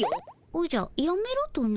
おじゃやめろとな？